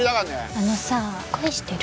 あのさ恋してる？